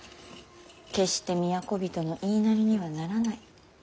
決して都人の言いなりにはならない。